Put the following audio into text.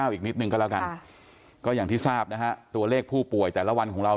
อีกนิดนึงก็แล้วกันก็อย่างที่ทราบนะฮะตัวเลขผู้ป่วยแต่ละวันของเรา